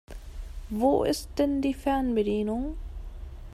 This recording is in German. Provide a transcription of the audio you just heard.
Wo ist denn die Fernbedienung?